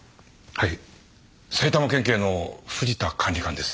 はい埼玉県警の藤田管理官です。